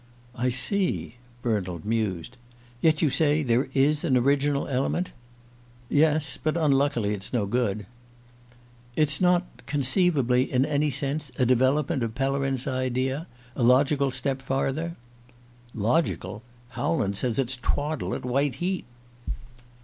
"I see," Bernald mused. "Yet you say there is an original element?" "Yes; but unluckily it's no good." "It's not conceivably in any sense a development of Pellerin's idea: a logical step farther?" "Logical? Howland says it's twaddle at white heat."